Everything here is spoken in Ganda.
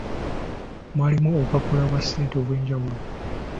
Mwalimu obupapula bwa ssente obw'enjawulo.